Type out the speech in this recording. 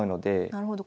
なるほど。